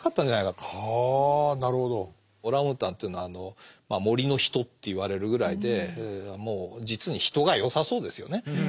オランウータンというのは「森の人」と言われるぐらいでもう実に人がよさそうですよね。